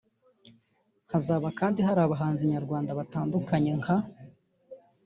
Hazaba kandi hari abahanzi nyarwanda batandukanye nka